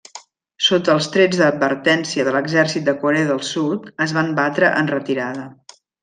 Sota els trets d'advertència de l'exèrcit de Corea del Sud, es van batre en retirada.